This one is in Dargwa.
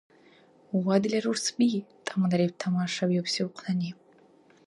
— Ва дила рурсби! — тӀамадариб тамашавиубси ухънани.